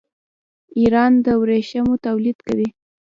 ایران د ورېښمو تولید کوي.